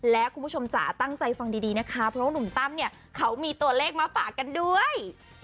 และคุณผู้ชมจ๋าตั้งใจฟังดีนะคะเพราะว่าหนุ่มตั้มเนี่ยเขามีตัวเลขมาฝากกันด้วย